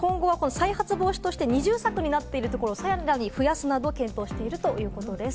再発防止として二重冊になっているところをさらに増やすなど検討しているということです。